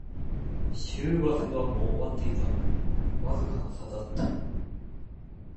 終バスはもう終わっていた、わずかな差だった